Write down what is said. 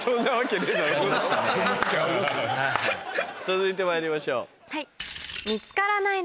続いてまいりましょう。